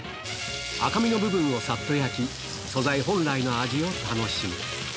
赤身の部分をさっと焼き、素材本来の味を楽しむ。